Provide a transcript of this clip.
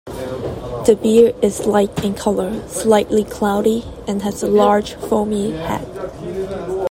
The beer is light in color, slightly cloudy, and has a large, foamy head.